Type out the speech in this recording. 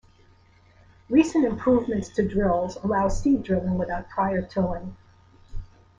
Recent improvements to drills allow seed-drilling without prior tilling.